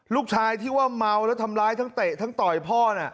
ลูกชายที่ว่าเมาแล้วทำร้ายทั้งเตะทั้งต่อยพ่อน่ะ